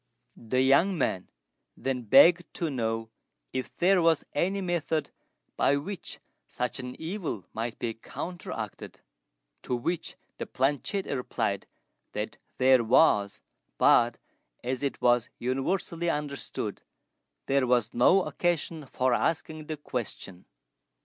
The young men then begged to know if there was any method by which such an evil might be counteracted; to which the planchette replied that there was, but, as it was universally understood, there was no occasion for asking the question.